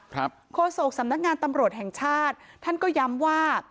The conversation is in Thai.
โฆษกสำนักงานตำรวจแห่งชาติท่านก็ย้ำว่า